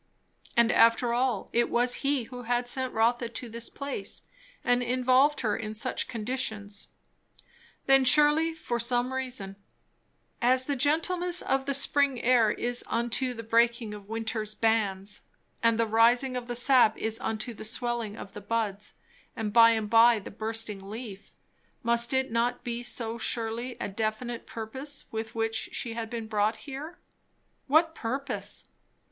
And after all it was He who had sent Rotha to this place and involved her in such conditions. Then surely for some reason. As the gentleness of the spring air is unto the breaking of winter's bands, and the rising of the sap is unto the swelling of the buds and by and by the bursting leaf, must it not be so surely a definite purpose with which she had been brought here? What purpose?